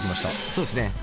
そうですね。